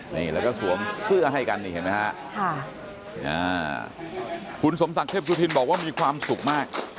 นี่แล้วก็สวมเสื้อให้กันนี่เห็นไหมฮะคุณสมศักดิ์เทพสุธินบอกว่ามีความสุขมาก